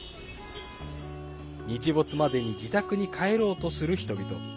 日没までに自宅に帰ろうとする人々。